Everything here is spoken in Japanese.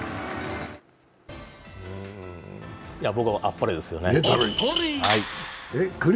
あっぱれ！ですよね。